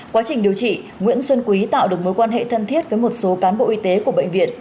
quá trình điều trị nguyễn xuân quý tạo được mối quan hệ thân thiết với một số cán bộ y tế của bệnh viện